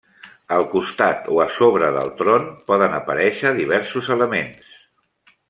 Al costat o a sobre del tron poden aparèixer diversos elements.